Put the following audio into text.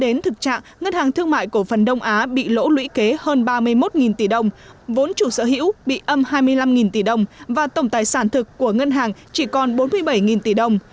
đến thực trạng ngân hàng thương mại cổ phần đông á bị lỗ lũy kế hơn ba mươi một tỷ đồng vốn chủ sở hữu bị âm hai mươi năm tỷ đồng và tổng tài sản thực của ngân hàng chỉ còn bốn mươi bảy tỷ đồng